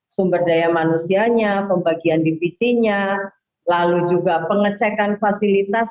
sumber daya manusianya pembagian divisinya lalu juga pengecekan fasilitas